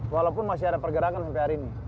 walaupun masih ada pergerakan sampai hari ini